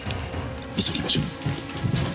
急ぎましょう。